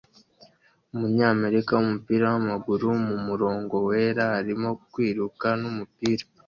umunyamerika wumupira wamaguru mumurongo wera arimo kwiruka numupira